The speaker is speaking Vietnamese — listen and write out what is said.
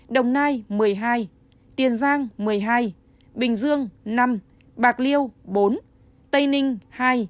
đồng nai một mươi hai tiền giang một mươi hai bình dương năm bạc liêu bốn tây ninh hai